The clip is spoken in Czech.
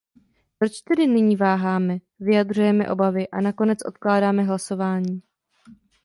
Proč tedy nyní váháme, vyjadřujeme obavy a nakonec odkládáme hlasování?